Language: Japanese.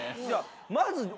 まず。